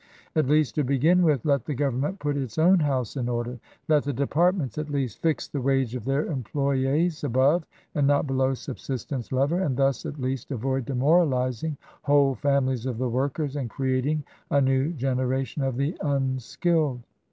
At least, to begin with, let the Government put its own house in order. Let the Departments, at least, fix the wage of their employes above, and not below, subsistence level, and thus at least avoid demoralizing whole families of the workers and creating a new generation of the un skilled.